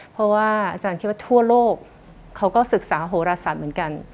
เพราะว่าอาจารย์คิดว่าทั่วโลกเขาก็ศึกษาโหรศาสตร์เหมือนกัน